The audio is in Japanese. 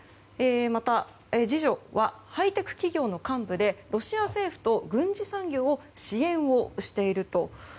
また、次女はハイテク企業の幹部でロシア政府と軍事産業を支援していると。